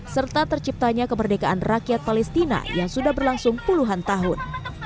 serta terciptanya kemerdekaan rakyat palestina yang sudah berlangsung puluhan tahun